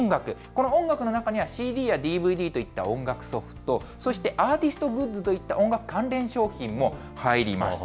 この音楽の中には、ＣＤやＤＶＤといった音楽ソフト、そして、アーティストグッズといった音楽関連商品も入ります。